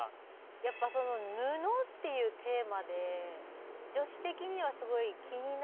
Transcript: やっぱ布っていうテーマで女子的にはすごい気になりますね。